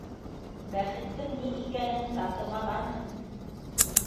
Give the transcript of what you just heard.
Бәхеттең ни икәнен татымағанһың!